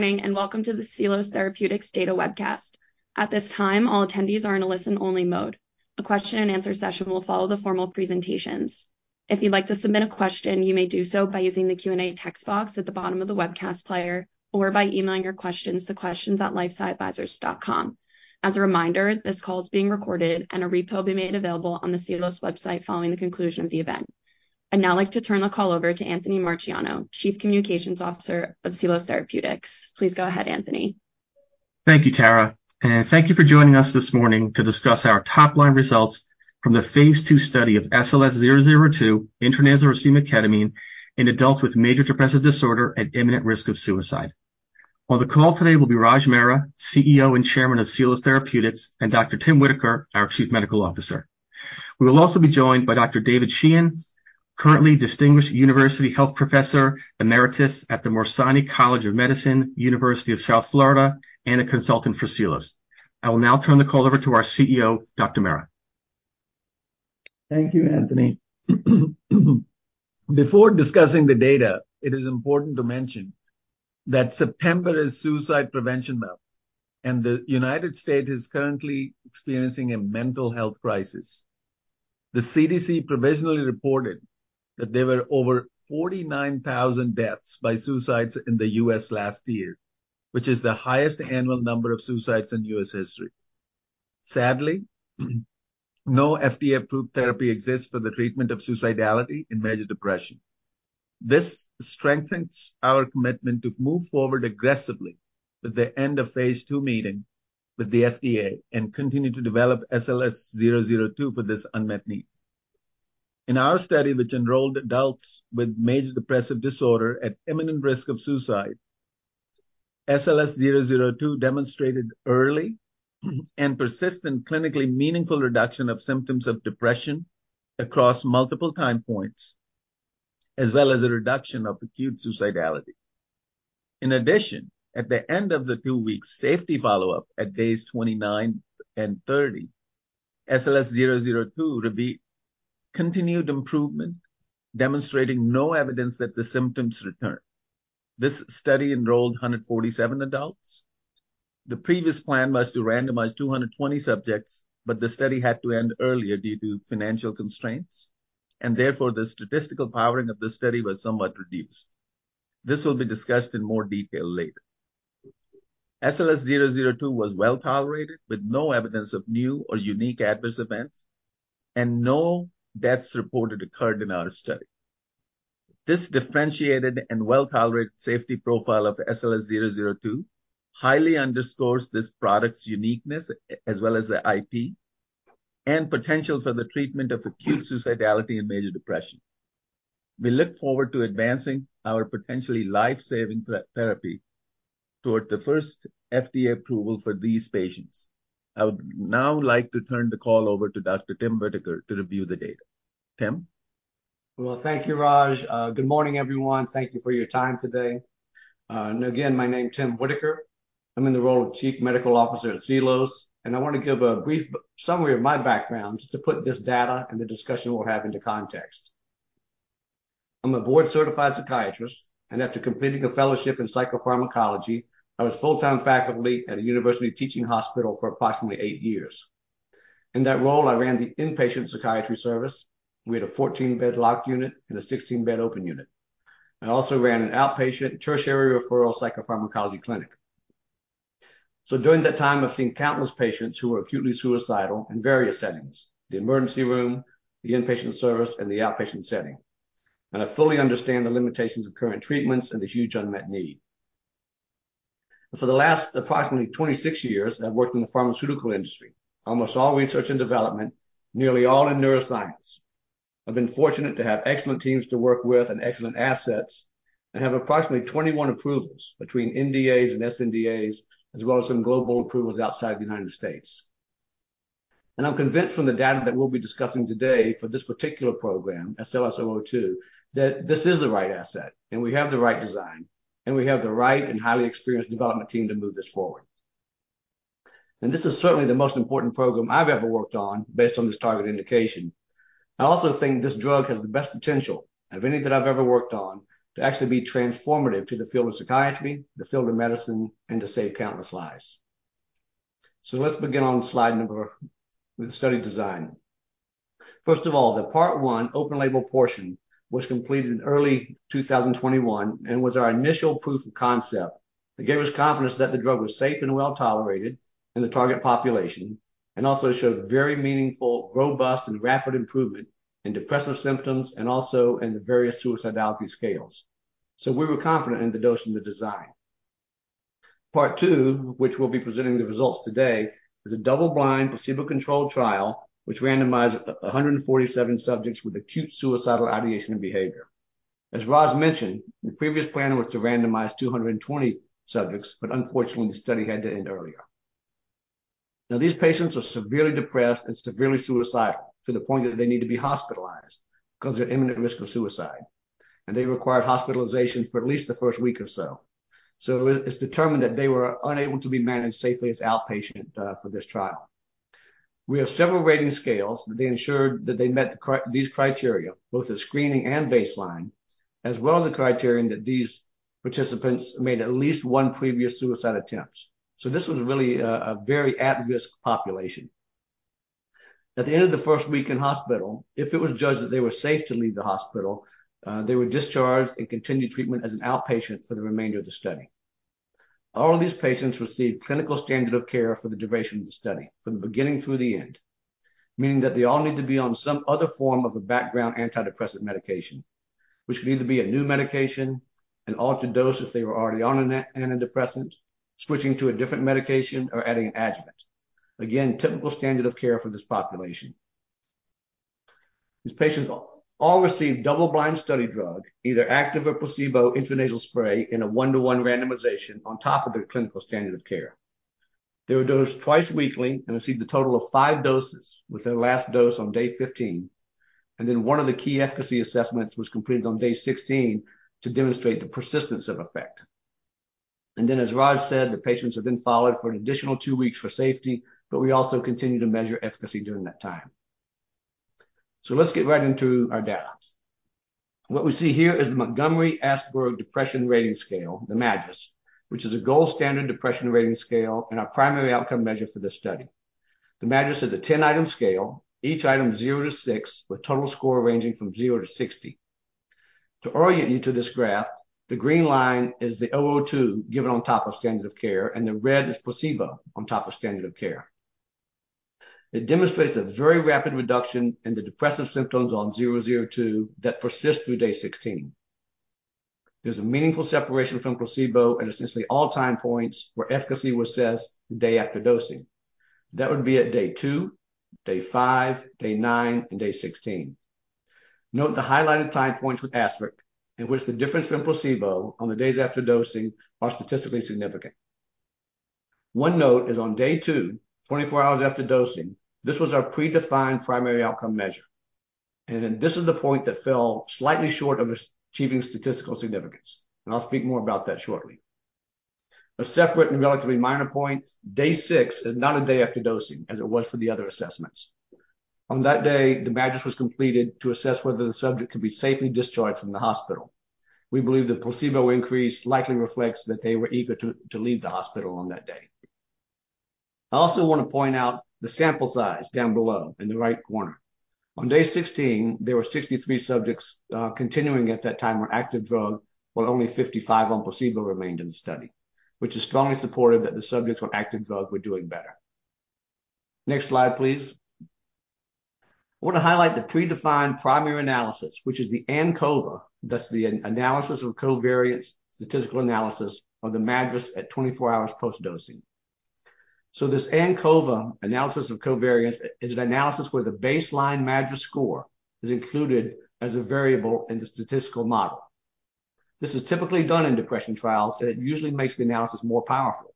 Morning, and welcome to the Seelos Therapeutics Data Webcast. At this time, all attendees are in a listen-only mode. A question-and-answer session will follow the formal presentations. If you'd like to submit a question, you may do so by using the Q&A text box at the bottom of the webcast player or by emailing your questions to questions@lifesciadvisors.com. As a reminder, this call is being recorded, and a replay will be made available on the Seelos website following the conclusion of the event. I'd now like to turn the call over to Anthony Marciano, Chief Communications Officer of Seelos Therapeutics. Please go ahead, Anthony. Thank you, Tara, and thank you for joining us this morning to discuss our top-line results from the phase II study of SLS002 intranasal racemic Ketamine in adults with Major Depressive Disorder at imminent risk of suicide. On the call today will be Raj Mehra, CEO and Chairman of Seelos Therapeutics, and Dr. Tim Whitaker, our Chief Medical Officer. We will also be joined by Dr. David Sheehan, currently Distinguished University Health Professor Emeritus at the Morsani College of Medicine, University of South Florida, and a consultant for Seelos. I will now turn the call over to our CEO, Dr. Mehra. Thank you, Anthony. Before discussing the data, it is important to mention that September is Suicide Prevention Month, and the United States is currently experiencing a mental health crisis. The CDC provisionally reported that there were over 49,000 deaths by suicides in the U.S. last year, which is the highest annual number of suicides in U.S. history. Sadly, no FDA-approved therapy exists for the treatment of suicidality and major depression. This strengthens our commitment to move forward aggressively with the end of phase II meeting with the FDA and continue to develop SLS002 for this unmet need. In our study, which enrolled adults with major depressive disorder at imminent risk of suicide, SLS002 demonstrated early and persistent clinically meaningful reduction of symptoms of depression across multiple time points, as well as a reduction of acute suicidality. In addition, at the end of the two-week safety follow-up at days 29 and 30, SLS002 revealed continued improvement, demonstrating no evidence that the symptoms return. This study enrolled 147 adults. The previous plan was to randomize 220 subjects, but the study had to end earlier due to financial constraints, and therefore the statistical powering of the study was somewhat reduced. This will be discussed in more detail later. SLS002 was well tolerated, with no evidence of new or unique adverse events, and no deaths reported occurred in our study. This differentiated and well-tolerated safety profile of SLS002 highly underscores this product's uniqueness, as well as the IP and potential for the treatment of acute suicidality and major depression. We look forward to advancing our potentially life-saving therapy toward the first FDA approval for these patients. I would now like to turn the call over to Dr. Tim Whitaker to review the data. Tim? Thank you, Raj. Good morning, everyone. Thank you for your time today. Again, my name is Tim Whitaker. I'm in the role of Chief Medical Officer at Seelos, and I want to give a brief summary of my background just to put this data and the discussion we'll have into context. I'm a board-certified psychiatrist, and after completing a fellowship in psychopharmacology, I was full-time faculty at a university teaching hospital for approximately eight years. In that role, I ran the inpatient psychiatry service. We had a 14-bed locked unit and a 16-bed open unit. I also ran an outpatient tertiary referral psychopharmacology clinic. During that time, I've seen countless patients who were acutely suicidal in various settings: the emergency room, the inpatient service, and the outpatient setting. I fully understand the limitations of current treatments and the huge unmet need. For the last approximately 26 years, I've worked in the pharmaceutical industry, almost all research and development, nearly all in neuroscience. I've been fortunate to have excellent teams to work with and excellent assets, and have approximately 21 approvals between NDAs and SNDAs, as well as some global approvals outside of the United States. And I'm convinced from the data that we'll be discussing today for this particular program, SLS002, that this is the right asset, and we have the right design, and we have the right and highly experienced development team to move this forward. And this is certainly the most important program I've ever worked on based on this target indication. I also think this drug has the best potential of any that I've ever worked on to actually be transformative to the field of psychiatry, the field of medicine, and to save countless lives. So let's begin on slide number with the study design. First of all, the part one open label portion was completed in early 2021 and was our initial proof of concept. It gave us confidence that the drug was safe and well tolerated in the target population and also showed very meaningful, robust, and rapid improvement in depressive symptoms and also in the various suicidality scales. So we were confident in the dose and the design. Part two, which we'll be presenting the results today, is a double-blind placebo-controlled trial which randomized 147 subjects with acute suicidal ideation and behavior. As Raj mentioned, the previous plan was to randomize 220 subjects, but unfortunately, the study had to end earlier. Now, these patients are severely depressed and severely suicidal to the point that they need to be hospitalized because of their imminent risk of suicide, and they required hospitalization for at least the first week or so. So it's determined that they were unable to be managed safely as outpatient for this trial. We have several rating scales that ensured that they met these criteria, both the screening and baseline, as well as the criterion that these participants made at least one previous suicide attempt. So this was really a very at-risk population. At the end of the first week in hospital, if it was judged that they were safe to leave the hospital, they were discharged and continued treatment as an outpatient for the remainder of the study. All of these patients received clinical standard of care for the duration of the study, from the beginning through the end, meaning that they all need to be on some other form of a background antidepressant medication, which could either be a new medication, an altered dose if they were already on an antidepressant, switching to a different medication, or adding an Adjuvant. Again, typical standard of care for this population. These patients all received double-blind study drug, either active or placebo intranasal spray in a one-to-one randomization on top of their clinical standard of care. They were dosed twice weekly and received a total of five doses, with their last dose on day 15, and then one of the key efficacy assessments was completed on day 16 to demonstrate the persistence of effect. Then, as Raj said, the patients have been followed for an additional two weeks for safety, but we also continue to measure efficacy during that time. Let's get right into our data. What we see here is the Montgomery-Åsberg Depression Rating Scale, the MADRS, which is a gold standard depression rating scale and our primary outcome measure for this study. The MADRS is a 10-item scale, each item 0 to six, with total score ranging from 0 to 60. To orient you to this graph, the green line is the 002 given on top of standard of care, and the red is placebo on top of standard of care. It demonstrates a very rapid reduction in the depressive symptoms on 002 that persist through day 16. There's a meaningful separation from placebo at essentially all time points where efficacy was assessed the day after dosing. That would be at day two, day five, day nine, and day 16. Note the highlighted time points with asterisk, in which the difference from placebo on the days after dosing are statistically significant. One note is on day two, 24 hours after dosing. This was our predefined primary outcome measure, and this is the point that fell slightly short of achieving statistical significance. I'll speak more about that shortly. A separate and relatively minor point, day six is not a day after dosing as it was for the other assessments. On that day, the MADRS was completed to assess whether the subject could be safely discharged from the hospital. We believe the placebo increase likely reflects that they were eager to leave the hospital on that day. I also want to point out the sample size down below in the right corner. On day 16, there were 63 subjects continuing at that time on active drug, while only 55 on placebo remained in the study, which is strongly supportive that the subjects on active drug were doing better. Next slide, please. I want to highlight the predefined primary analysis, which is the ANCOVA, thus the analysis of covariance, statistical analysis of the MADRS at 24 hours post-dosing. So this ANCOVA analysis of covariance is an analysis where the baseline MADRS score is included as a variable in the statistical model. This is typically done in depression trials, and it usually makes the analysis more powerful.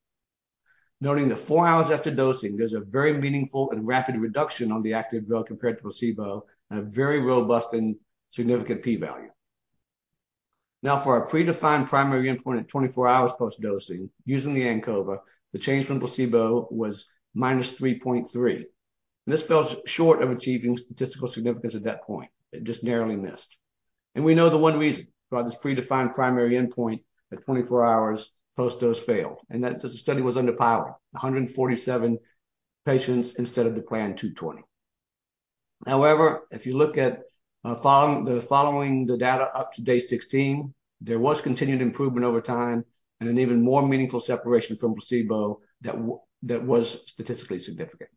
Noting that four hours after dosing, there's a very meaningful and rapid reduction on the active drug compared to placebo and a very robust and significant p-value. Now, for our predefined primary endpoint at 24 hours post-dosing, using the ANCOVA, the change from placebo was minus 3.3. This fell short of achieving statistical significance at that point. It just narrowly missed. And we know the one reason why this predefined primary endpoint at 24 hours post-dose failed, and that the study was underpowered: 147 patients instead of the planned 220. However, if you look at the following data up to day 16, there was continued improvement over time and an even more meaningful separation from placebo that was statistically significant.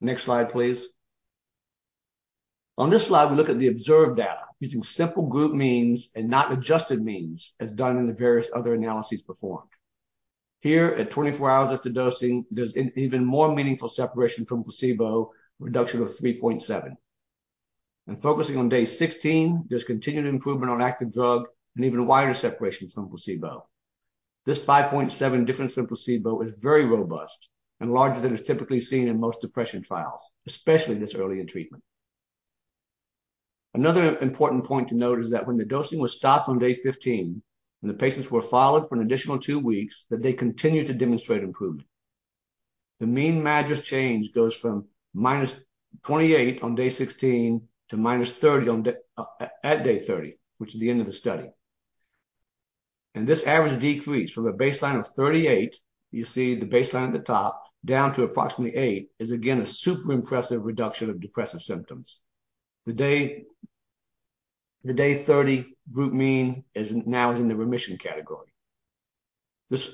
Next slide, please. On this slide, we look at the observed data using simple group means and not adjusted means as done in the various other analyses performed. Here, at 24 hours after dosing, there's even more meaningful separation from placebo, reduction of 3.7. And focusing on day 16, there's continued improvement on active drug and even wider separation from placebo. This 5.7 difference from placebo is very robust and larger than is typically seen in most depression trials, especially this early in treatment. Another important point to note is that when the dosing was stopped on day 15 and the patients were followed for an additional two weeks, that they continued to demonstrate improvement. The mean MADRS change goes from minus 28 on day 16 to minus 30 at day 30, which is the end of the study, and this average decrease from a baseline of 38, you see the baseline at the top, down to approximately eight, is again a super impressive reduction of depressive symptoms. The day 30 group mean is now in the remission category. This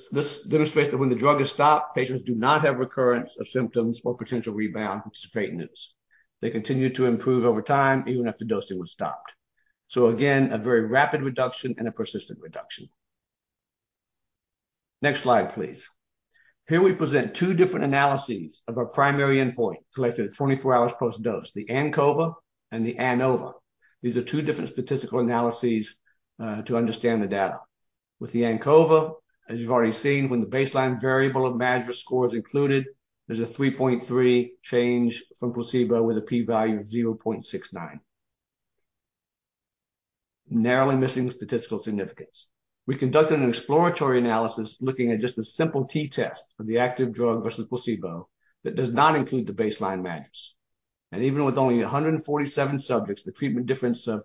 demonstrates that when the drug is stopped, patients do not have recurrence of symptoms or potential rebound, which is great news. They continue to improve over time even after dosing was stopped. So again, a very rapid reduction and a persistent reduction. Next slide, please. Here we present two different analyses of our primary endpoint collected at 24 hours post-dose: the ANCOVA and the ANOVA. These are two different statistical analyses to understand the data. With the ANCOVA, as you've already seen, when the baseline variable of MADRS score is included, there's a 3.3 change from placebo with a p-value of 0.69, narrowly missing statistical significance. We conducted an exploratory analysis looking at just a simple t-test of the active drug versus placebo that does not include the baseline MADRS. And even with only 147 subjects, the treatment difference of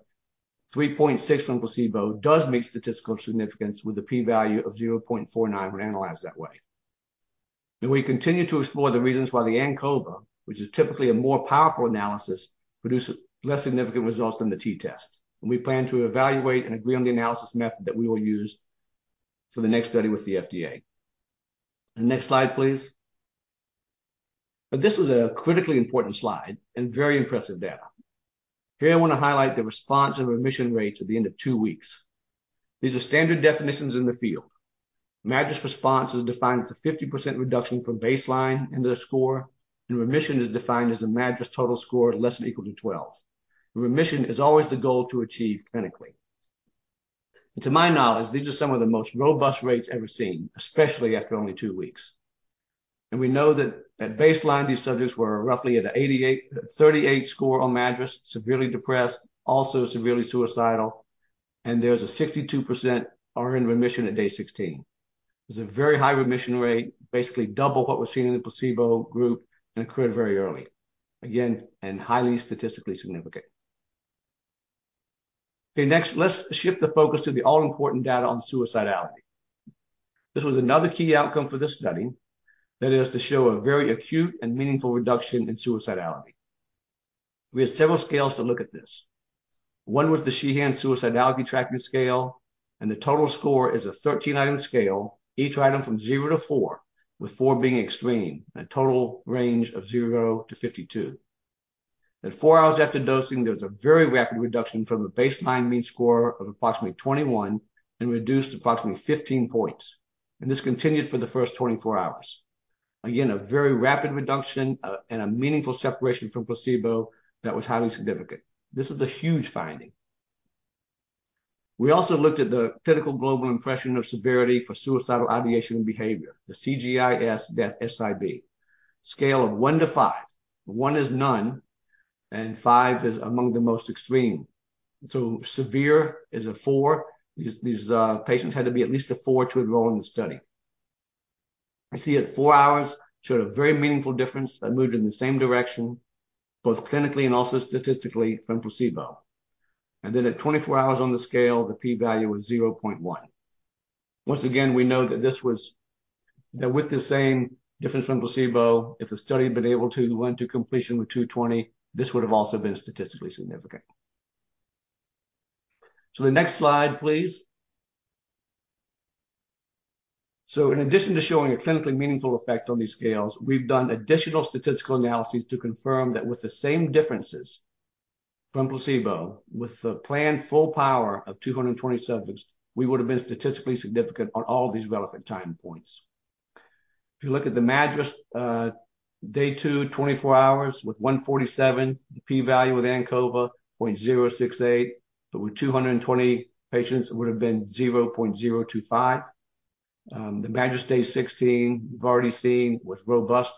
3.6 from placebo does meet statistical significance with a p-value of 0.49 when analyzed that way. We continue to explore the reasons why the ANCOVA, which is typically a more powerful analysis, produces less significant results than the t-test. We plan to evaluate and agree on the analysis method that we will use for the next study with the FDA. Next slide, please. This is a critically important slide and very impressive data. Here I want to highlight the response and remission rates at the end of two weeks. These are standard definitions in the field. MADRS response is defined as a 50% reduction from baseline in the score, and remission is defined as a MADRS total score less than or equal to 12. Remission is always the goal to achieve clinically. To my knowledge, these are some of the most robust rates ever seen, especially after only two weeks. We know that at baseline, these subjects were roughly at a 38 score on MADRS, severely depressed, also severely suicidal, and there's a 62% are in remission at day 16. There's a very high remission rate, basically double what was seen in the placebo group, and occurred very early. Again, and highly statistically significant. Okay, next, let's shift the focus to the all-important data on suicidality. This was another key outcome for this study that is to show a very acute and meaningful reduction in suicidality. We had several scales to look at this. One was the Sheehan Suicidality Tracking Scale, and the total score is a 13-item scale, each item from 0 to four, with four being extreme, and a total range of 0 to 52. At four hours after dosing, there was a very rapid reduction from a baseline mean score of approximately 21 and reduced approximately 15 points, and this continued for the first 24 hours. Again, a very rapid reduction and a meaningful separation from placebo that was highly significant. This is a huge finding. We also looked at the Clinical Global Impression of Severity for Suicidal Ideation and Behavior, the CGIS-SIB scale of one to five. One is none, and five is among the most extreme, so severe is a four. These patients had to be at least a four to enroll in the study. We see at four hours showed a very meaningful difference that moved in the same direction, both clinically and also statistically from placebo, and then at 24 hours on the scale, the p-value was 0.1. Once again, we know that this was that with the same difference from placebo, if the study had been able to run to completion with 220, this would have also been statistically significant. So the next slide, please. So in addition to showing a clinically meaningful effect on these scales, we've done additional statistical analyses to confirm that with the same differences from placebo, with the planned full power of 220 subjects, we would have been statistically significant on all of these relevant time points. If you look at the MADRS day two, 24 hours with 147, the p-value with ANCOVA 0.068, but with 220 patients, it would have been 0.025. The MADRS day 16, we've already seen, was robust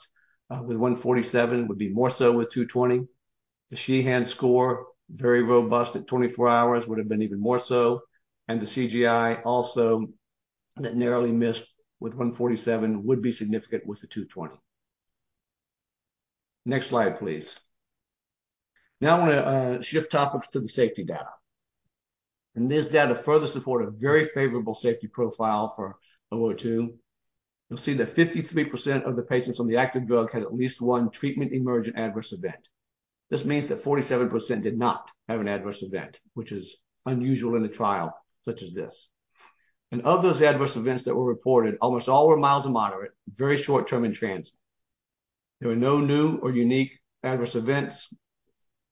with 147, would be more so with 220. The Sheehan score, very robust at 24 hours, would have been even more so. The CGI also that narrowly missed with 147 would be significant with the 220. Next slide, please. Now I want to shift topics to the safety data. This data further supports a very favorable safety profile for 002. You'll see that 53% of the patients on the active drug had at least one treatment-emergent adverse event. This means that 47% did not have an adverse event, which is unusual in a trial such as this. Of those adverse events that were reported, almost all were mild to moderate, very short-term transient. There were no new or unique adverse events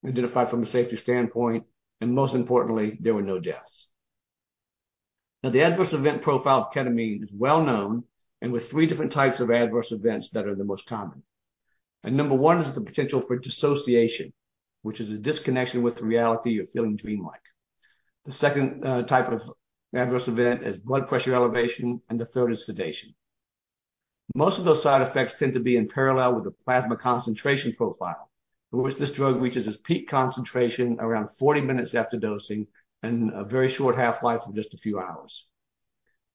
identified from a safety standpoint. Most importantly, there were no deaths. Now, the adverse event profile of Ketamine is well known and with three different types of adverse events that are the most common. And number one is the potential for dissociation, which is a disconnection with reality or feeling dreamlike. The second type of adverse event is blood pressure elevation, and the third is sedation. Most of those side effects tend to be in parallel with the plasma concentration profile, in which this drug reaches its peak concentration around 40 minutes after dosing and a very short half-life of just a few hours.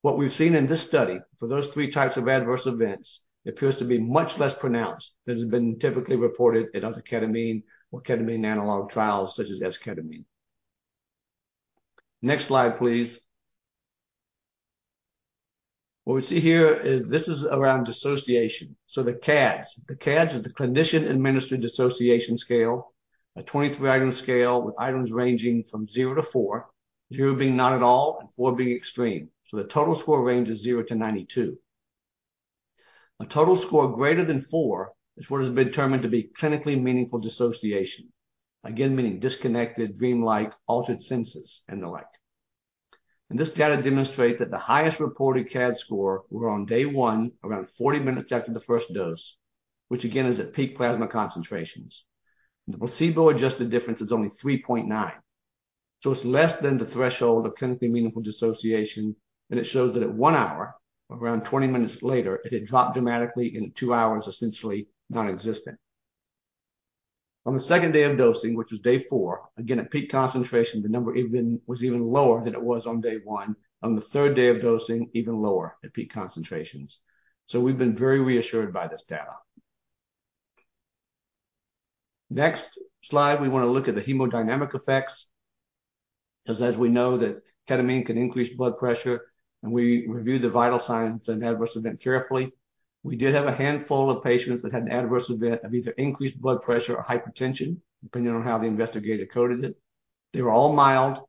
What we've seen in this study for those three types of adverse events appears to be much less pronounced than has been typically reported in other Ketamine or Ketamine analog trials such as Esketamine. Next slide, please. What we see here is this is around dissociation. So the CADS. The CADS is the Clinician-Administered Dissociation Scale, a 23-item scale with items ranging from 0 to four, 0 being not at all and 4 being extreme. So the total score ranges 0 to 92. A total score greater than four is what has been determined to be clinically meaningful dissociation, again, meaning disconnected, dreamlike, altered senses, and the like. And this data demonstrates that the highest reported CADS score were on day one, around 40 minutes after the first dose, which again is at peak plasma concentrations. And the placebo-adjusted difference is only 3.9. So it's less than the threshold of clinically meaningful dissociation, and it shows that at one hour, around 20 minutes later, it had dropped dramatically and two hours essentially nonexistent. On the second day of dosing, which was day four, again, at peak concentration, the number was even lower than it was on day one. On the third day of dosing, even lower at peak concentrations. So we've been very reassured by this data. Next slide, we want to look at the hemodynamic effects. As we know that Ketamine can increase blood pressure, and we reviewed the vital signs and adverse event carefully. We did have a handful of patients that had an adverse event of either increased blood pressure or hypertension, depending on how the investigator coded it. They were all mild.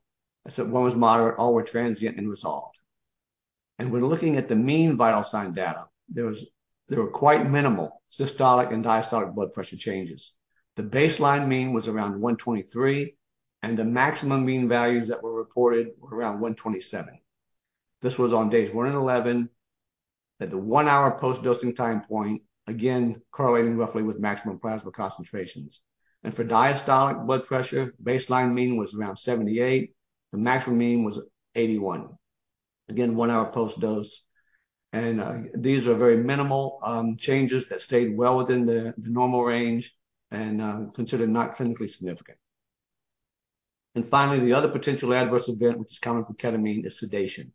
I said one was moderate. All were transient and resolved. And when looking at the mean vital sign data, there were quite minimal systolic and diastolic blood pressure changes. The baseline mean was around 123, and the maximum mean values that were reported were around 127. This was on days one and 11 at the one-hour post-dosing time point, again, correlating roughly with maximum plasma concentrations. And for diastolic blood pressure, baseline mean was around 78. The maximum mean was 81, again, one-hour post-dose. These are very minimal changes that stayed well within the normal range and considered not clinically significant. Finally, the other potential adverse event, which is common for Ketamine, is sedation.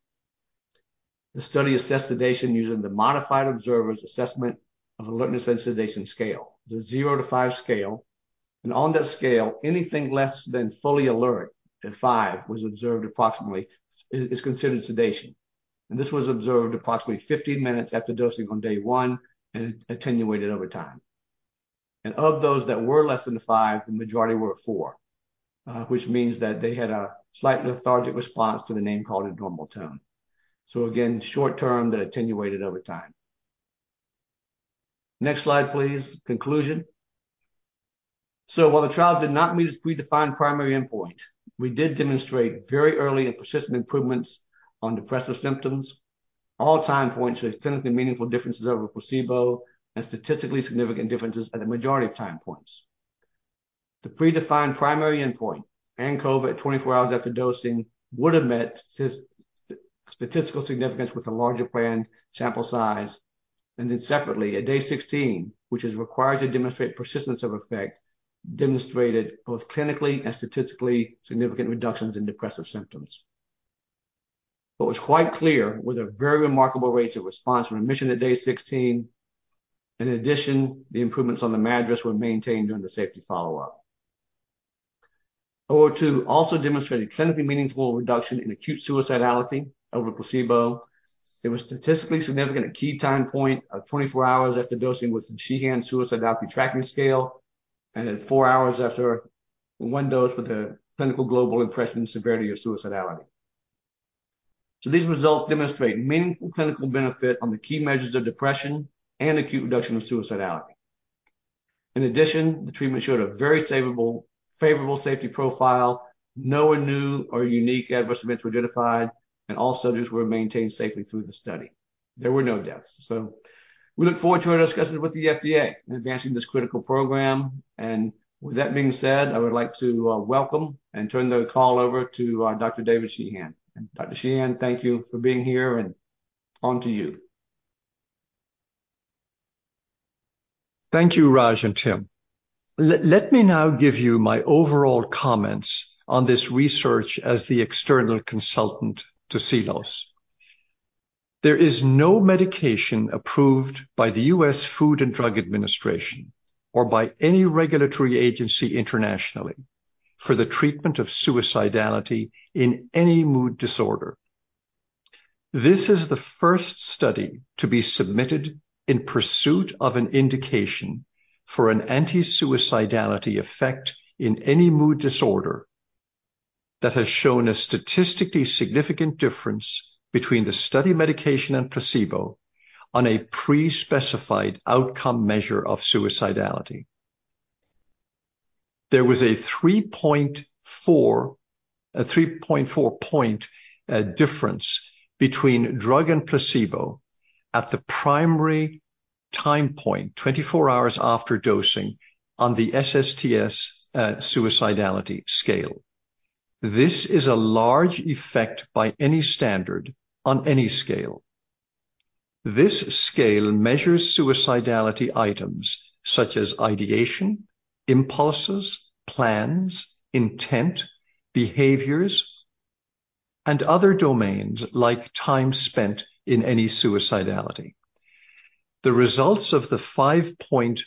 The study assessed sedation using the modified Observer's Assessment of Alertness and Sedation scale, the 0 to five scale. On that scale, anything less than fully alert at five is considered sedation. This was observed approximately 15 minutes after dosing on day one and attenuated over time. Of those that were less than five, the majority were at four, which means that they had a slight lethargic response to the name-calling normal tone. Again, short-term that attenuated over time. Next slide, please. Conclusion. While the trial did not meet its predefined primary endpoint, we did demonstrate very early and persistent improvements on depressive symptoms. All time points showed clinically meaningful differences over placebo and statistically significant differences at a majority of time points. The predefined primary endpoint, ANCOVA at 24 hours after dosing, would have met statistical significance with a larger planned sample size. Then separately, at day 16, which is required to demonstrate persistence of effect, demonstrated both clinically and statistically significant reductions in depressive symptoms. What was quite clear were the very remarkable rates of response and remission at day 16. In addition, the improvements on the MADRS were maintained during the safety follow-up. SLS-002 also demonstrated clinically meaningful reduction in acute suicidality over placebo. It was statistically significant at the key time point of 24 hours after dosing with the Sheehan Suicidality Tracking Scale, and at four hours after one dose with the Clinical Global Impression and Severity of Suicidality. These results demonstrate meaningful clinical benefit on the key measures of depression and acute reduction of suicidality. In addition, the treatment showed a very favorable safety profile. No new or unique adverse events were identified, and all subjects were maintained safely through the study. There were no deaths. We look forward to our discussions with the FDA in advancing this critical program. With that being said, I would like to welcome and turn the call over to Dr. David Sheehan. Dr. Sheehan, thank you for being here, and on to you. Thank you, Raj and Tim. Let me now give you my overall comments on this research as the external consultant to Seelos. There is no medication approved by the U.S. Food and Drug Administration or by any regulatory agency internationally for the treatment of suicidality in any mood disorder. This is the first study to be submitted in pursuit of an indication for an anti-suicidality effect in any mood disorder that has shown a statistically significant difference between the study medication and placebo on a pre-specified outcome measure of suicidality. There was a 3.4 point difference between drug and placebo at the primary time point, 24 hours after dosing, on the SSTS suicidality scale. This is a large effect by any standard on any scale. This scale measures suicidality items such as ideation, impulses, plans, intent, behaviors, and other domains like time spent in any suicidality. The results of the five-point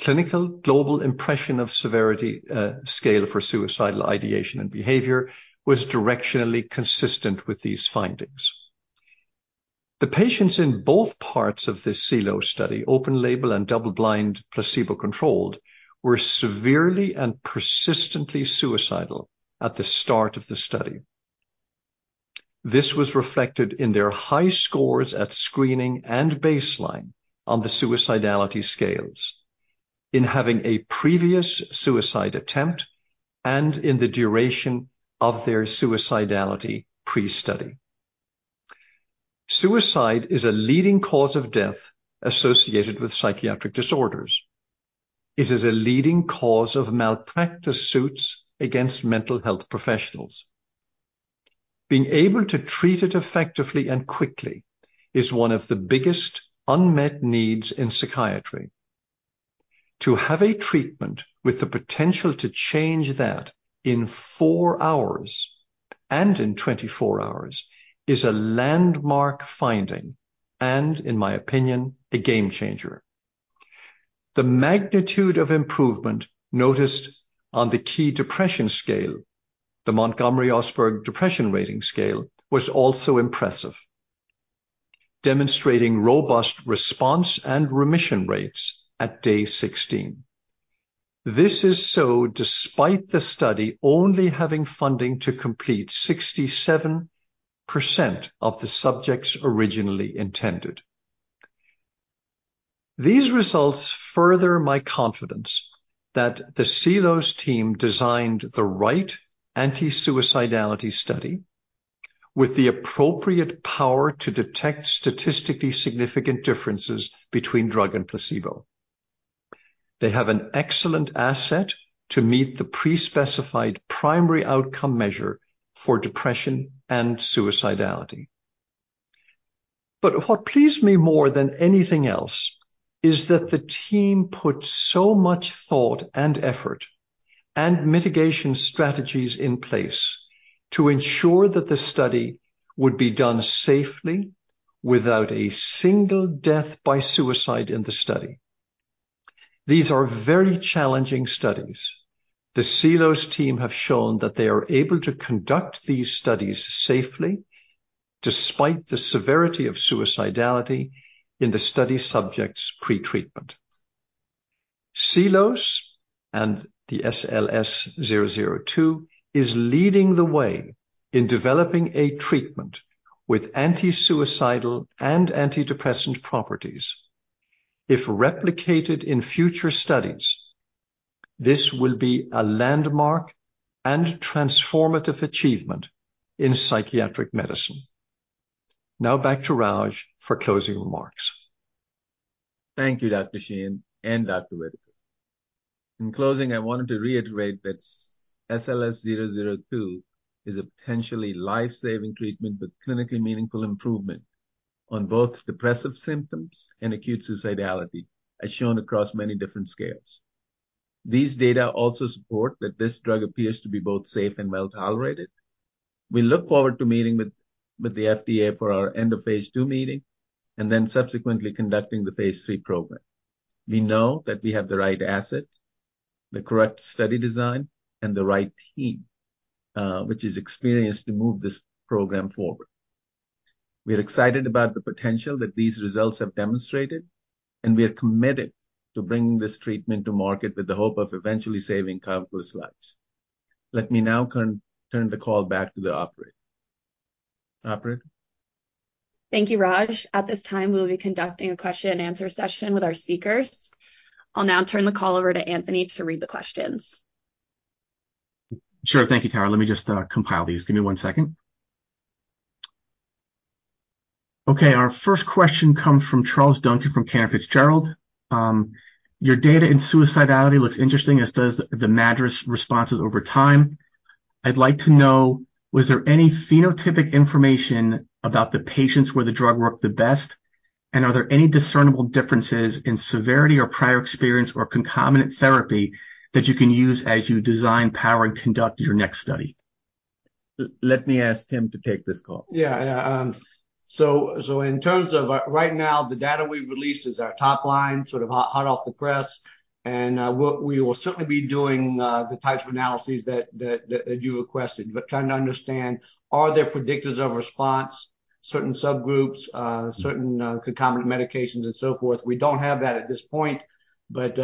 Clinical Global Impression of Severity scale for Suicidal Ideation and Behavior were directionally consistent with these findings. The patients in both parts of this Seelos study, open-label and double-blind placebo-controlled, were severely and persistently suicidal at the start of the study. This was reflected in their high scores at screening and baseline on the suicidality scales, in having a previous suicide attempt, and in the duration of their suicidality pre-study. Suicide is a leading cause of death associated with psychiatric disorders. It is a leading cause of malpractice suits against mental health professionals. Being able to treat it effectively and quickly is one of the biggest unmet needs in psychiatry. To have a treatment with the potential to change that in four hours and in 24 hours is a landmark finding and, in my opinion, a game changer. The magnitude of improvement noticed on the key depression scale, the Montgomery-Åsberg Depression Rating Scale, was also impressive, demonstrating robust response and remission rates at day 16. This is so despite the study only having funding to complete 67% of the subjects originally intended. These results further my confidence that the Seelos team designed the right anti-suicidality study with the appropriate power to detect statistically significant differences between drug and placebo. They have an excellent asset to meet the pre-specified primary outcome measure for depression and suicidality. But what pleased me more than anything else is that the team put so much thought and effort and mitigation strategies in place to ensure that the study would be done safely without a single death by suicide in the study. These are very challenging studies. The Seelos team have shown that they are able to conduct these studies safely despite the severity of suicidality in the study subjects' pretreatment. Seelos and the SLS-002 is leading the way in developing a treatment with anti-suicidal and antidepressant properties. If replicated in future studies, this will be a landmark and transformative achievement in psychiatric medicine. Now back to Raj for closing remarks. Thank you, Dr. Sheehan and Dr. Whitaker. In closing, I wanted to reiterate that SLS-002 is a potentially lifesaving treatment with clinically meaningful improvement on both depressive symptoms and acute suicidality, as shown across many different scales. These data also support that this drug appears to be both safe and well tolerated. We look forward to meeting with the FDA for our end-of-phase II meeting and then subsequently conducting the phase III program. We know that we have the right asset, the correct study design, and the right team, which is experienced to move this program forward. We are excited about the potential that these results have demonstrated, and we are committed to bringing this treatment to market with the hope of eventually saving countless lives. Let me now turn the call back to the operator. Thank you, Raj. At this time, we will be conducting a question-and-answer session with our speakers. I'll now turn the call over to Anthony to read the questions. Sure. Thank you, Tara. Let me just compile these. Give me one second. Okay. Our first question comes from Charles Duncan from Cantor Fitzgerald. Your data in suicidality looks interesting, as does the MADRS responses over time. I'd like to know, was there any phenotypic information about the patients where the drug worked the best? Are there any discernible differences in severity or prior experience or concomitant therapy that you can use as you design, power, and conduct your next study? Let me ask Tim to take this call. Yeah. Yeah. In terms of right now, the data we've released is our top line, sort of hot off the press. We will certainly be doing the types of analyses that you requested, but trying to understand, are there predictors of response, certain subgroups, certain concomitant medications, and so forth? We don't have that at this point, but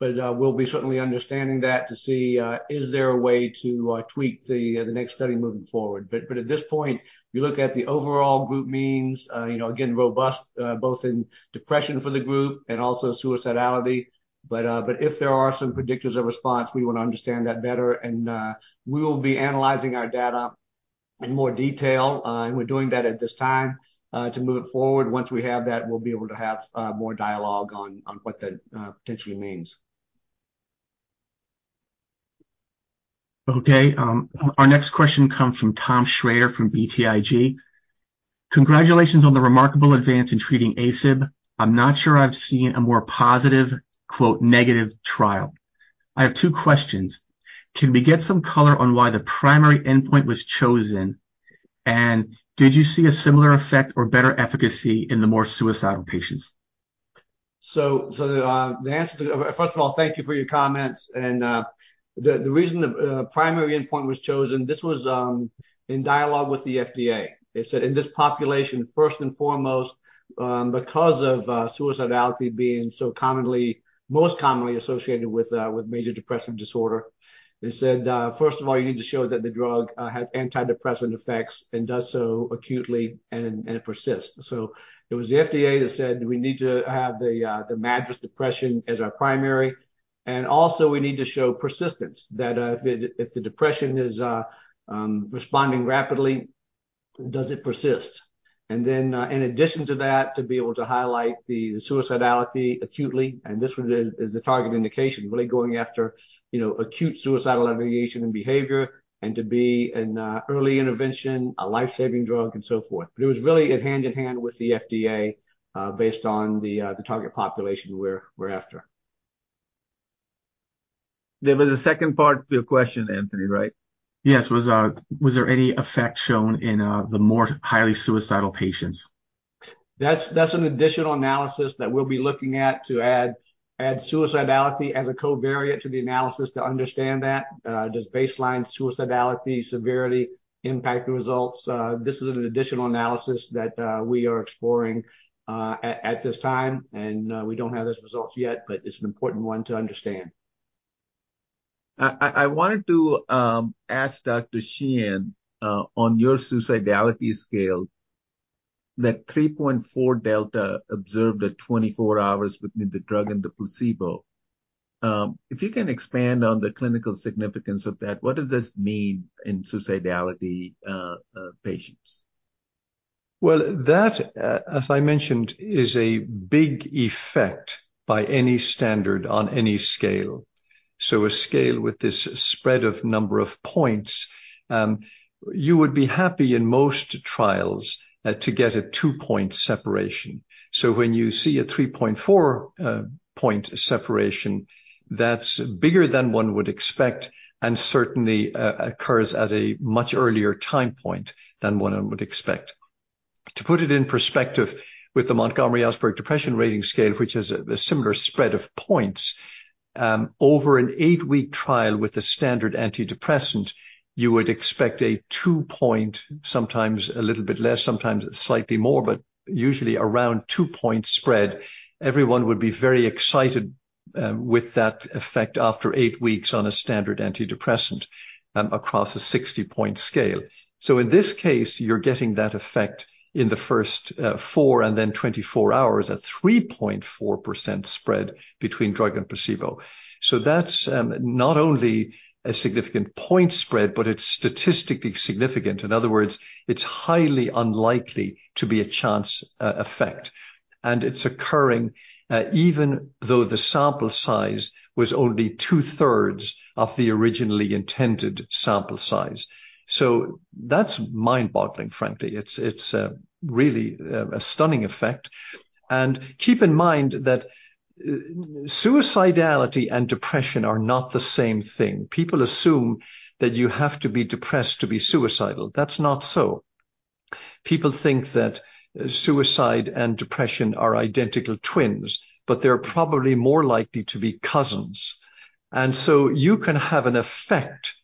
we'll be certainly understanding that to see if there is a way to tweak the next study moving forward. At this point, you look at the overall group means, again, robust both in depression for the group and also suicidality. If there are some predictors of response, we want to understand that better. We will be analyzing our data in more detail. We're doing that at this time to move it forward. Once we have that, we'll be able to have more dialogue on what that potentially means. Okay. Our next question comes from Tom Shrader from BTIG. Congratulations on the remarkable advance in treating ASIB. I'm not sure I've seen a more positive "negative" trial. I have two questions. Can we get some color on why the primary endpoint was chosen? And did you see a similar effect or better efficacy in the more suicidal patients? So the answer to, first of all, thank you for your comments. The reason the primary endpoint was chosen, this was in dialogue with the FDA. They said, in this population, first and foremost, because of suicidality being most commonly associated with major depressive disorder, they said, first of all, you need to show that the drug has antidepressant effects and does so acutely and persists. So it was the FDA that said, we need to have the MADRS depression as our primary. And also, we need to show persistence, that if the depression is responding rapidly, does it persist? And then in addition to that, to be able to highlight the suicidality acutely. And this is the target indication, really going after acute suicidal ideation and behavior and to be an early intervention, a lifesaving drug, and so forth. But it was really hand-in-hand with the FDA based on the target population we're after. There was a second part to your question, Anthony, right? Yes. Was there any effect shown in the more highly suicidal patients? That's an additional analysis that we'll be looking at to add suicidality as a covariate to the analysis to understand that. Does baseline suicidality severity impact the results? This is an additional analysis that we are exploring at this time, and we don't have those results yet, but it's an important one to understand. I wanted to ask Dr. Sheehan, on your suicidality scale, that 3.4 delta observed at 24 hours between the drug and the placebo. If you can expand on the clinical significance of that, what does this mean in suicidality patients? Well, that, as I mentioned, is a big effect by any standard on any scale. So a scale with this spread of number of points, you would be happy in most trials to get a two-point separation. So when you see a 3.4-point separation, that's bigger than one would expect and certainly occurs at a much earlier time point than one would expect. To put it in perspective, with the Montgomery-Åsberg Depression Rating Scale, which has a similar spread of points, over an eight-week trial with a standard antidepressant, you would expect a two-point, sometimes a little bit less, sometimes slightly more, but usually around two-point spread. Everyone would be very excited with that effect after eight weeks on a standard antidepressant across a 60-point scale. So in this case, you're getting that effect in the first four and then 24 hours at 3.4-point spread between drug and placebo. So that's not only a significant point spread, but it's statistically significant. In other words, it's highly unlikely to be a chance effect. And it's occurring even though the sample size was only two-thirds of the originally intended sample size. So that's mind-boggling, frankly. It's really a stunning effect. And keep in mind that suicidality and depression are not the same thing. People assume that you have to be depressed to be suicidal. That's not so. People think that suicide and depression are identical twins, but they're probably more likely to be cousins. And so you can have an effect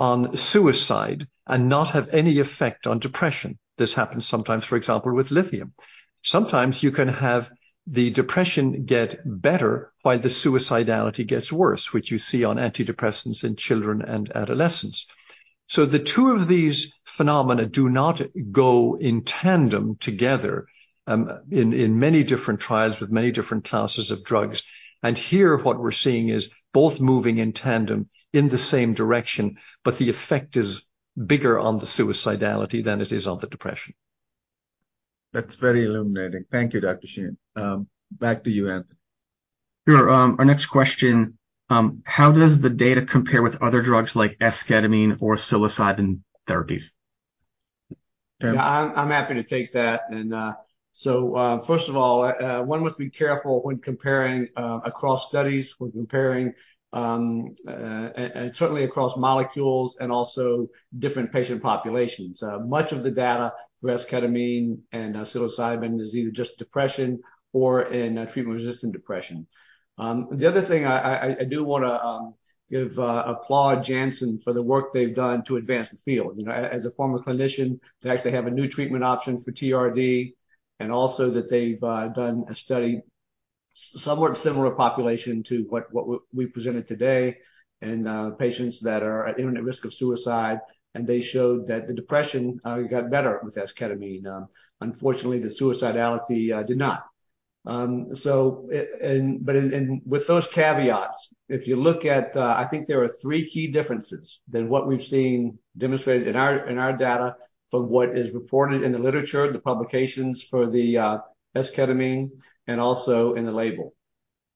on suicide and not have any effect on depression. This happens sometimes, for example, with Lithium. Sometimes you can have the depression get better while the suicidality gets worse, which you see on antidepressants in children and adolescents. So the two of these phenomena do not go in tandem together in many different trials with many different classes of drugs. Here, what we're seeing is both moving in tandem in the same direction, but the effect is bigger on the suicidality than it is on the depression. That's very illuminating. Thank you, Dr. Sheehan. Back to you, Anthony. Sure. Our next question, how does the data compare with other drugs like Esketamine or Psilocybin therapies? Yeah. I'm happy to take that. So first of all, one must be careful when comparing across studies, when comparing and certainly across molecules and also different patient populations. Much of the data for Esketamine and Psilocybin is either just depression or in treatment-resistant depression. The other thing I do want to give applause to Janssen for the work they've done to advance the field. As a former clinician, to actually have a new treatment option for TRD and also that they've done a study somewhat similar population to what we presented today in patients that are at imminent risk of suicide. And they showed that the depression got better with Esketamine. Unfortunately, the suicidality did not. But with those caveats, if you look at, I think there are three key differences than what we've seen demonstrated in our data from what is reported in the literature, the publications for the Esketamine, and also in the label.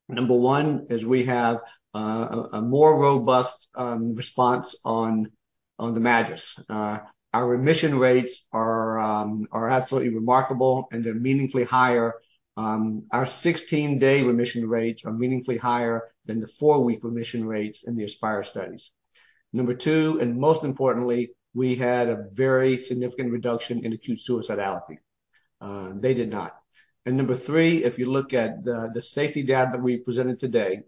Number one is we have a more robust response on the MADRS. Our remission rates are absolutely remarkable, and they're meaningfully higher. Our 16-day remission rates are meaningfully higher than the four-week remission rates in the ASPIRE studies. Number two, and most importantly, we had a very significant reduction in acute suicidality. They did not. And number three, if you look at the safety data that we presented today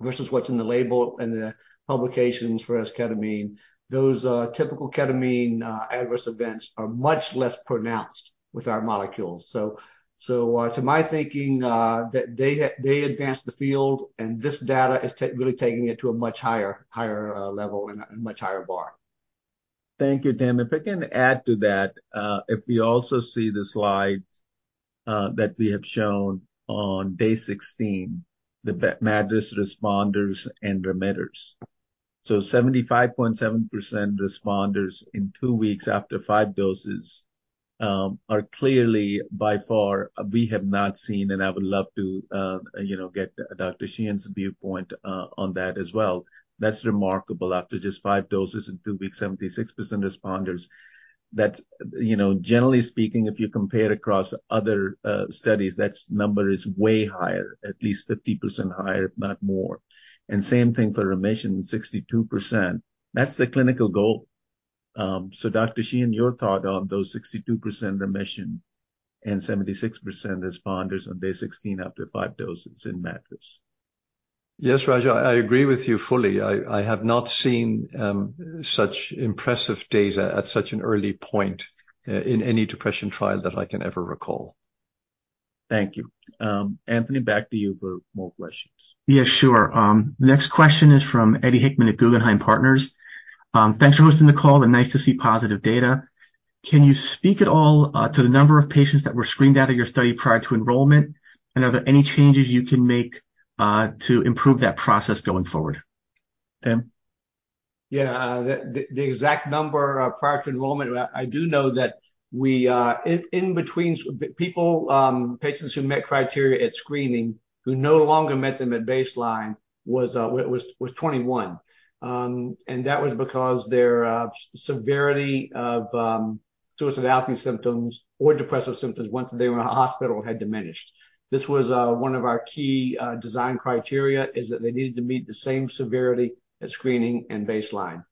versus what's in the label and the publications for Esketamine, those typical Ketamine adverse events are much less pronounced with our molecules. So to my thinking, they advanced the field, and this data is really taking it to a much higher level and a much higher bar. Thank you, Tim. If I can add to that, if we also see the slides that we have shown on day 16, the MADRS responders and remitters. So 75.7% responders in two weeks after five doses are clearly by far we have not seen, and I would love to get Dr. Sheehan’s viewpoint on that as well. That's remarkable. After just five doses in two weeks, 76% responders. Generally speaking, if you compare across other studies, that number is way higher, at least 50% higher, if not more. And same thing for remission, 62%. That's the clinical goal. So Dr. Sheehan, your thought on those 62% remission and 76% responders on day 16 after five doses in MADRS? Yes, Raj. I agree with you fully. I have not seen such impressive data at such an early point in any depression trial that I can ever recall. Thank you. Anthony, back to you for more questions. Yeah, sure. Next question is from Eddie Hickman at Guggenheim Partners. Thanks for hosting the call. And nice to see positive data. Can you speak at all to the number of patients that were screened out of your study prior to enrollment? And are there any changes you can make to improve that process going forward? Tim? Yeah. The exact number prior to enrollment, I do know that in between people, patients who met criteria at screening, who no longer met them at baseline, was 21, and that was because their severity of suicidality symptoms or depressive symptoms once they were in the hospital had diminished. This was one of our key design criteria, is that they needed to meet the same severity at screening and baseline.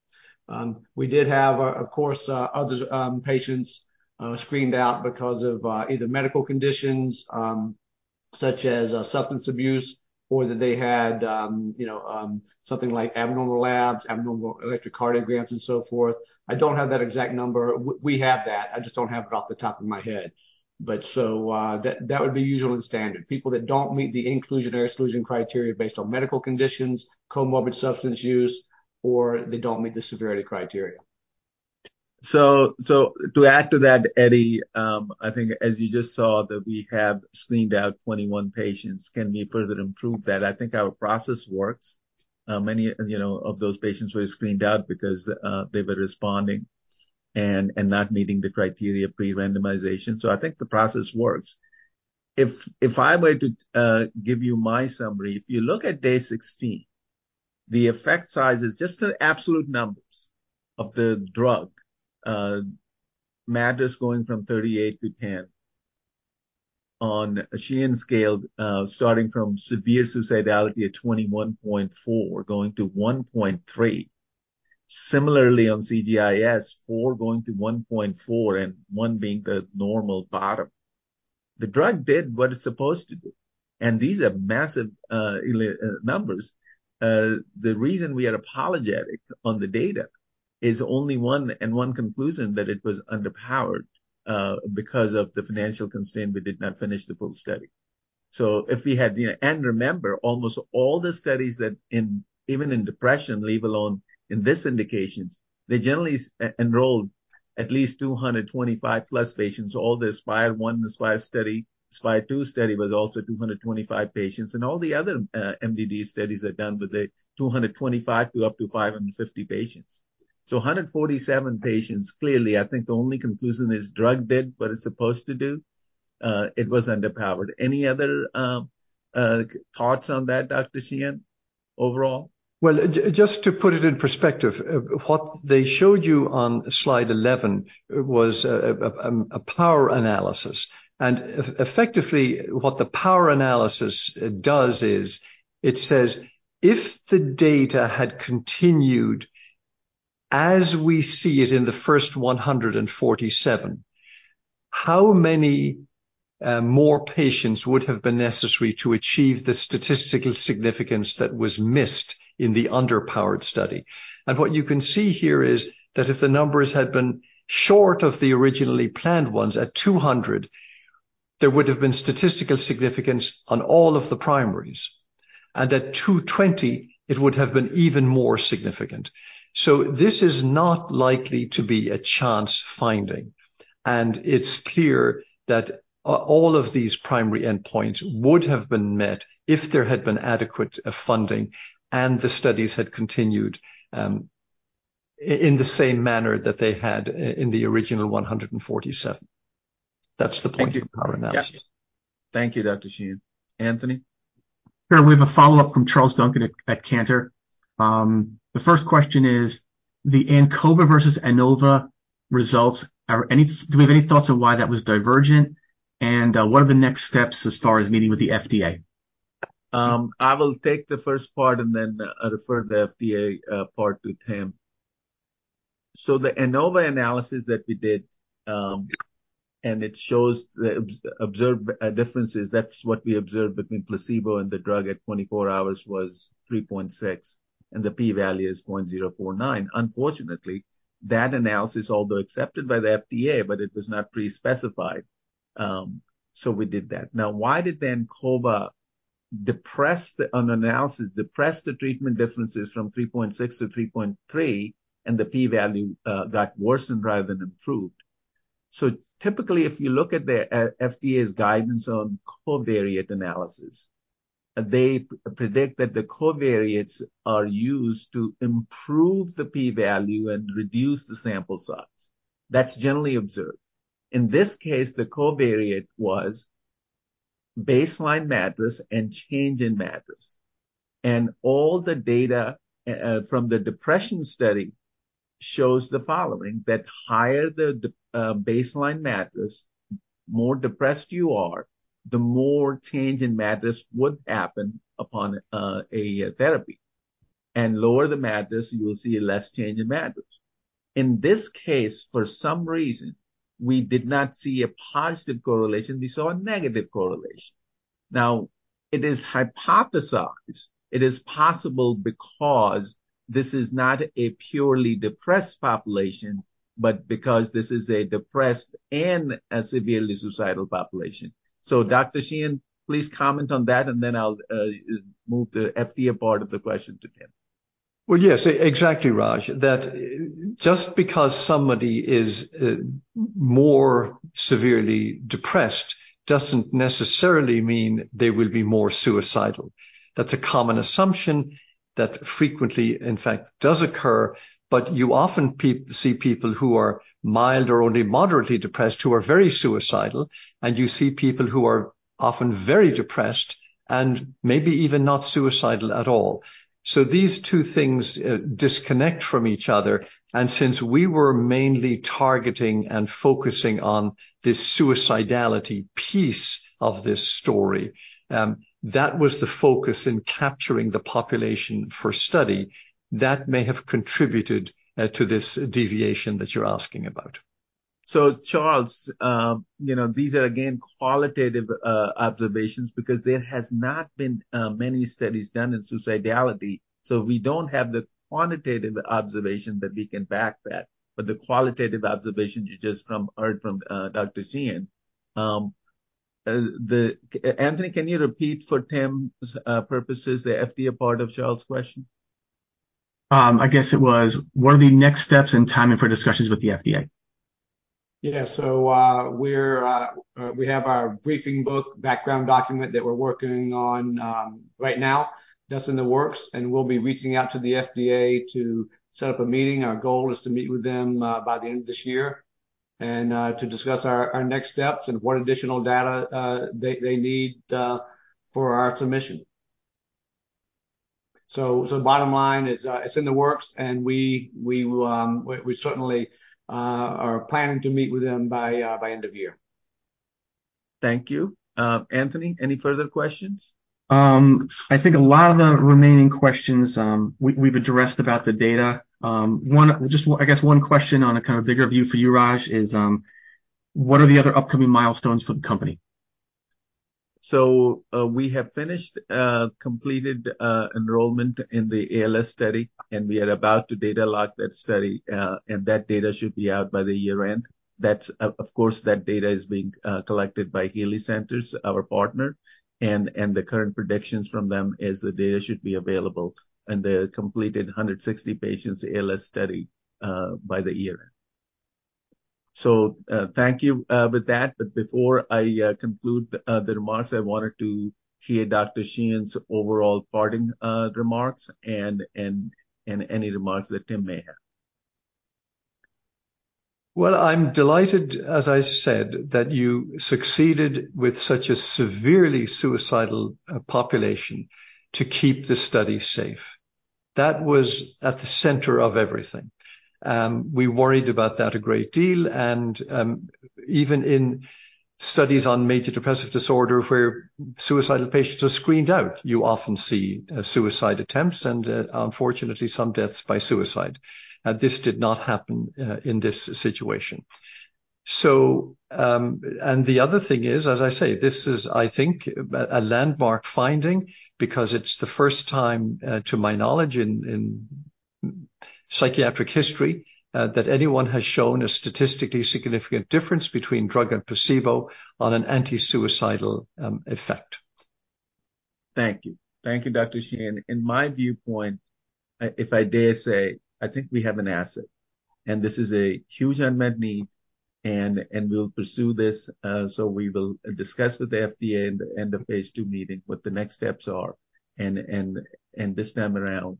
We did have, of course, other patients screened out because of either medical conditions such as substance abuse or that they had something like abnormal labs, abnormal electrocardiograms, and so forth. I don't have that exact number. We have that. I just don't have it off the top of my head, but so that would be usual and standard. People that don't meet the inclusion or exclusion criteria based on medical conditions, comorbid substance use, or they don't meet the severity criteria. So to add to that, Eddie, I think as you just saw that we have screened out 21 patients. Can we further improve that? I think our process works. Many of those patients were screened out because they were responding and not meeting the criteria pre-randomization. So I think the process works. If I were to give you my summary, if you look at day 16, the effect size is just absolute numbers of the drug, MADRS going from 38 to 10 on a Sheehan scale, starting from severe suicidality at 21.4 going to 1.3. Similarly, on CGIS, four going to 1.4 and one being the normal bottom. The drug did what it's supposed to do. And these are massive numbers. The reason we are apologetic on the data is only one and one conclusion that it was underpowered because of the financial constraint. We did not finish the full study. If we had, and remember, almost all the studies that even in depression, leave alone in this indications, they generally enrolled at least 225-plus patients. All the ASPIRE 1 and ASPIRE study, ASPIRE 2 study was also 225 patients. And all the other MDD studies are done with 225 to up to 550 patients. So 147 patients, clearly, I think the only conclusion this drug did what it's supposed to do, it was underpowered. Any other thoughts on that, Dr. Sheehan, overall? Just to put it in perspective, what they showed you on Slide 11 was a power analysis. Effectively, what the power analysis does is it says, if the data had continued as we see it in the first 147, how many more patients would have been necessary to achieve the statistical significance that was missed in the underpowered study? What you can see here is that if the numbers had been short of the originally planned ones at 200, there would have been statistical significance on all of the primaries. At 220, it would have been even more significant. This is not likely to be a chance finding. It's clear that all of these primary endpoints would have been met if there had been adequate funding and the studies had continued in the same manner that they had in the original 147. That's the point of the power analysis. Thank you, Dr. Sheehan. Anthony? Sure. We have a follow-up from Charles Duncan at Cantor. The first question is, the ANCOVA versus ANOVA results, do we have any thoughts on why that was divergent, and what are the next steps as far as meeting with the FDA? I will take the first part and then refer the FDA part to Tim. So the ANOVA analysis that we did, and it shows observed differences, that's what we observed between placebo and the drug at 24 hours was 3.6, and the p-value is 0.049. Unfortunately, that analysis, although accepted by the FDA, but it was not pre-specified, so we did that. Now, why did the ANCOVA analysis depress the treatment differences from 3.6 to 3.3, and the p-value got worsened rather than improved? So, typically, if you look at the FDA's guidance on covariate analysis, they predict that the covariates are used to improve the p-value and reduce the sample size. That's generally observed. In this case, the covariate was baseline MADRS and change in MADRS. And all the data from the depression study shows the following: that higher the baseline MADRS, the more depressed you are, the more change in MADRS would happen upon a therapy. And lower the MADRS, you'll see less change in MADRS. In this case, for some reason, we did not see a positive correlation. We saw a negative correlation. Now, it is hypothesized. It is possible because this is not a purely depressed population, but because this is a depressed and a severely suicidal population. So Dr. Sheehan, please comment on that, and then I'll move the FDA part of the question to Tim. Yes, exactly, Raj. That just because somebody is more severely depressed doesn't necessarily mean they will be more suicidal. That's a common assumption that frequently, in fact, does occur. But you often see people who are mild or only moderately depressed who are very suicidal, and you see people who are often very depressed and maybe even not suicidal at all, so these two things disconnect from each other, and since we were mainly targeting and focusing on this suicidality piece of this story, that was the focus in capturing the population for study that may have contributed to this deviation that you're asking about, so Charles, these are again qualitative observations because there have not been many studies done in suicidality, so we don't have the quantitative observation that we can back that, but the qualitative observation you just heard from Dr. Sheehan. Anthony, can you repeat for Tim's purposes the FDA part of Charles' question? I guess it was, what are the next steps in timing for discussions with the FDA? Yeah. So we have our briefing book, background document that we're working on right now, that's in the works. And we'll be reaching out to the FDA to set up a meeting. Our goal is to meet with them by the end of this year and to discuss our next steps and what additional data they need for our submission. So bottom line is it's in the works, and we certainly are planning to meet with them by end of year. Thank you. Anthony, any further questions? I think a lot of the remaining questions we've addressed about the data. I guess one question on a kind of bigger view for you, Raj, is what are the other upcoming milestones for the company, so we have finished, completed enrollment in the ALS study, and we are about to data lock that study, and that data should be out by year end. Of course, that data is being collected by Healey Center, our partner, and the current predictions from them is the data should be available, and they completed 160 patients' ALS study by year end, so thank you with that. But before I conclude the remarks, I wanted to hear Dr. Sheehan's overall parting remarks and any remarks that Tim may have. Well, I'm delighted, as I said, that you succeeded with such a severely suicidal population to keep the study safe. That was at the center of everything. We worried about that a great deal. And even in studies on major depressive disorder where suicidal patients are screened out, you often see suicide attempts and, unfortunately, some deaths by suicide. This did not happen in this situation. And the other thing is, as I say, this is, I think, a landmark finding because it's the first time, to my knowledge in psychiatric history, that anyone has shown a statistically significant difference between drug and placebo on an anti-suicidal effect. Thank you. Thank you, Dr. Sheehan. In my viewpoint, if I dare say, I think we have an asset. And this is a huge unmet need. And we'll pursue this. So we will discuss with the FDA at the end of phase II meeting what the next steps are. And this time around,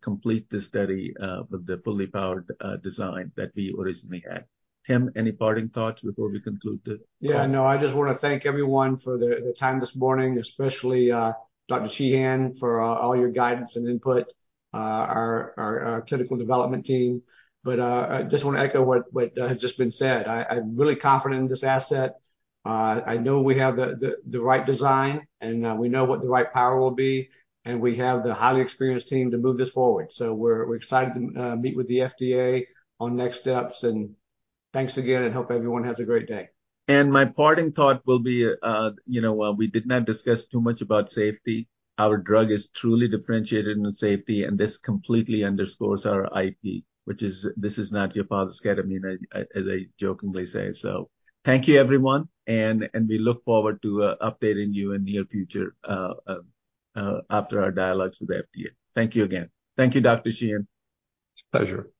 complete the study with the fully powered design that we originally had. Tim, any parting thoughts before we conclude the call? Yeah. No, I just want to thank everyone for the time this morning, especially Dr. Sheehan for all your guidance and input, our clinical development team, but I just want to echo what has just been said. I'm really confident in this asset. I know we have the right design, and we know what the right power will be, and we have the highly experienced team to move this forward, so we're excited to meet with the FDA on next steps. Thanks again, and I hope everyone has a great day. My parting thought will be we did not discuss too much about safety. Our drug is truly differentiated in safety, and this completely underscores our IP, which is, "This is not your father's Ketamine," as I jokingly say. Thank you, everyone. We look forward to updating you in the near future after our dialogues with the FDA. Thank you again. Thank you, Dr. Sheehan. It's a pleasure. Yeah.